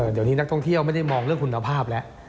เดี๋ยวนี้นักท่องเที่ยวไม่ได้มองเรื่องคุณภาพแล้ว